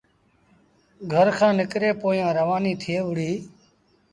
گھر کآݩ نڪري پويآن روآنيٚ ٿئي وُهڙيٚ۔